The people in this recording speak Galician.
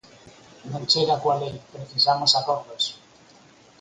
Non chega coa lei, precisamos acordos.